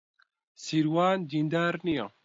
سیروان دیندار نییە.